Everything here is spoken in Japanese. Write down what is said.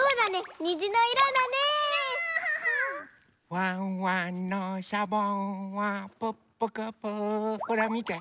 「ワンワンのシャボンはプップクプー」ほらみて。